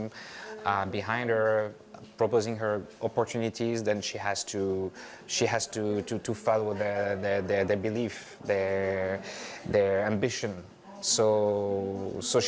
jadi dia adalah orang yang sangat berusaha